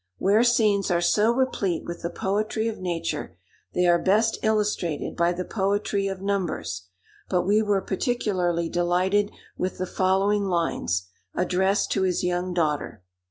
Where scenes are so replete with the poetry of nature, they are best illustrated by the poetry of numbers; but we were particularly delighted with the following lines, addressed to his young daughter.